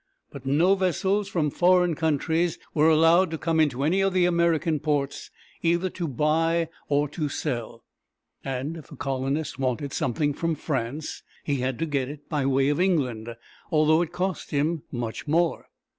But no vessels from foreign countries were allowed to come into any of the American ports, either to buy or to sell; and if a colonist wanted something from France, he had to get it by way of England, although it cost him much more.